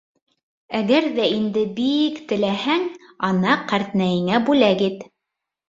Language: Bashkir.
Әгәр ҙә инде би-ик теләһәң, ана, ҡәртнәйеңә бүләк ит.